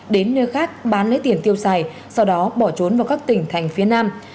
đến nơi khác bán lấy tiền tiêu xài sau đó bỏ trốn vào các tỉnh thành phía nam